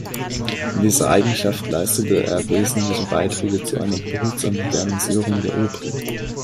In dieser Eigenschaft leistete er wesentliche Beiträge zu einer behutsamen Modernisierung der Opry.